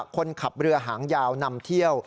คนขับเรือหางยาวนำเที่ยว